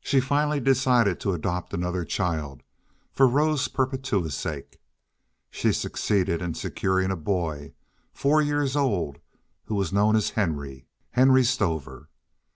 She finally decided to adopt another child for Rose Perpetua's sake; she succeeded in securing a boy, four years old, who was known as Henry—Henry Stover.